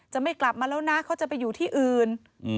ไม่กลับมาแล้วนะเขาจะไปอยู่ที่อื่น